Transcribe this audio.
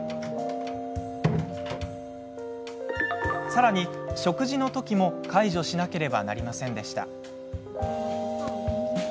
さらに、食事のときも介助しなければなりませんでした。